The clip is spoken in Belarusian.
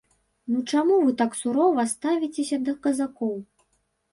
Ну чаму вы так сурова ставіцеся да казакоў?